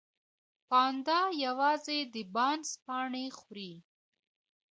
پاندا یوازې د بانس پاڼې خوري